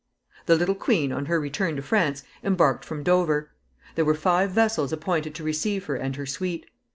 The little queen, on her return to France, embarked from Dover. There were five vessels appointed to receive her and her suite.